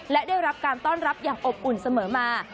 และได้รับการต้อนรับอย่างอบอุ่นเสมอมา